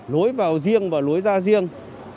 lối vào riêng và lối ra riêng